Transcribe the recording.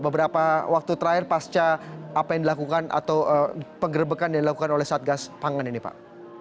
beberapa waktu terakhir pasca apa yang dilakukan atau penggerbekan yang dilakukan oleh satgas pangan ini pak